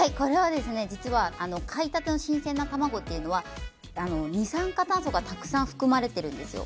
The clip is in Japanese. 実は買いたての新鮮な卵というのは二酸化炭素がたくさん含まれてるんです。